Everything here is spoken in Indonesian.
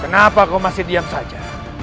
kenapa kau masih diam saja